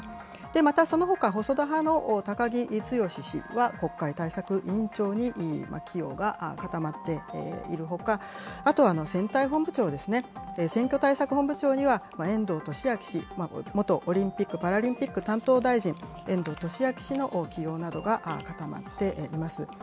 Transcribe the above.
またそのほか細田派の高木毅氏は国会対策委員長に起用が固まっているほか、あとは選対本部長ですね、選挙対策本部長には遠藤利明氏、元オリンピック・パラリンピック担当大臣、遠藤利明氏の起用などが固まっています。